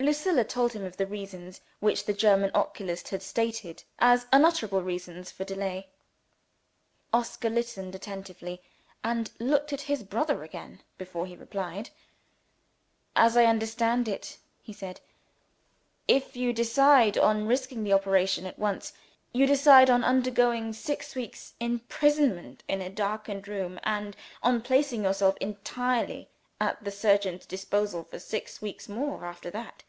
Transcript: Lucilla told him of the reasons which the German oculist had stated as unanswerable reasons for delay. Oscar listened attentively, and looked at his brother again, before he replied. "As I understand it," he said, "if you decide on risking the operation at once, you decide on undergoing six weeks' imprisonment in a darkened room, and on placing yourself entirely at the surgeon's disposal for six weeks more, after that.